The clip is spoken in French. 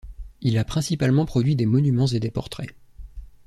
Il a principalement produit des monuments et des portraits.